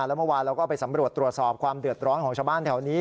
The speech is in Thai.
แล้วเมื่อวานเราก็ไปสำรวจตรวจสอบความเดือดร้อนของชาวบ้านแถวนี้